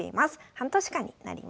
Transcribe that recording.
半年間になります。